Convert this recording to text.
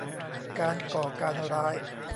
การก่อการร้าย